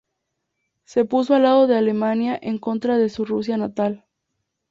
Se puso al lado de Alemania en contra de su Rusia natal.